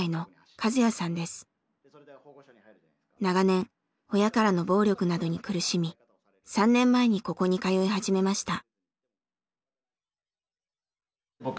長年親からの暴力などに苦しみ３年前にここに通い始めました。